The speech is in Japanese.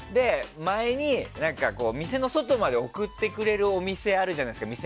前に、店の外まで送ってくれるお店あるじゃないですか。